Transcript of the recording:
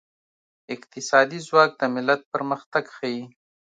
اقتصادي ځواک د ملت پرمختګ ښيي.